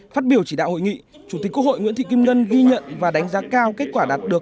phát biểu chỉ đạo hội nghị chủ tịch quốc hội nguyễn thị kim ngân ghi nhận và đánh giá cao kết quả đạt được